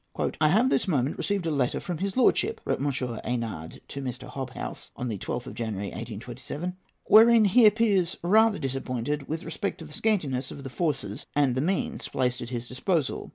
"I have this moment received a letter from his lordship," wrote M. Eynard to Mr. Hobhouse on the 12th of January, 1827, "wherein he appears rather disappointed with respect to the scantiness of the forces and the means placed at his disposal.